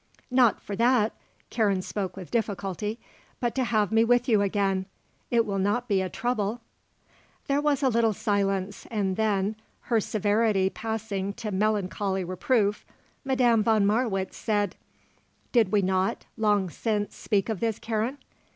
"Not for that," Karen spoke with difficulty. "But to have me with you again. It will not be a trouble?" There was a little silence and then, her severity passing to melancholy reproof, Madame von Marwitz said: "Did we not, long since, speak of this, Karen?